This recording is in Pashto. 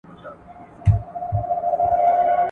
د افغانستان په کليو کي کوم لاسي هنرونه دود وو؟